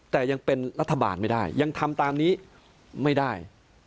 แต่ยังเป็นรัฐบาลไม่ได้ยังทำตามนี้ไม่ได้